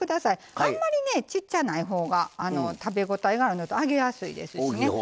あんまり、ちっちゃないほうが食べ応えがあって揚げやすいですしね。